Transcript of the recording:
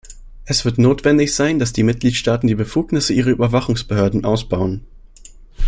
Es wird notwendig sein, dass die Mitgliedstaaten die Befugnisse ihrer Überwachungsbehörden ausbauen.